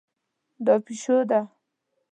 دا پیشو ده